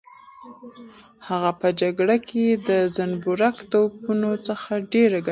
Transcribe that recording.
هغه په جګړه کې د زنبورک توپونو څخه ډېره ګټه اخیستله.